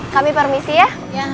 kami permisi ya